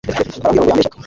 arambwira ngo yambeshyaga